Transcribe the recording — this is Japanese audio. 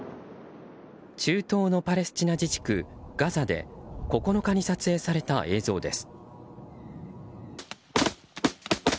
中東のパレスチナ自治区ガザで９日に撮影された映像です。